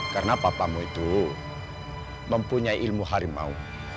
karena papamu itu mempunyai ilmu harimau